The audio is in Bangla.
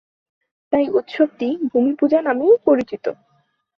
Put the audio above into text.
তাই উৎসবটি "ভূমি পূজা" নামেও পরিচিত।